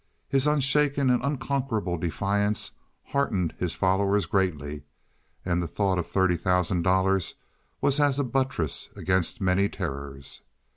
His unshaken and unconquerable defiance heartened his followers greatly, and the thought of thirty thousand dollars was as a buttress against many terrors.